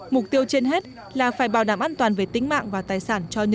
mục tiêu trên hết là phải bảo đảm an toàn về tính mạng và tài sản cho nhân dân